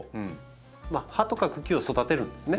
葉とか茎を育てるんですね。